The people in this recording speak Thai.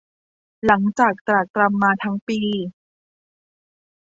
หลังจากตรากตรำมาทั้งปี